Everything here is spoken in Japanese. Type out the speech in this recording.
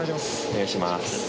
お願いします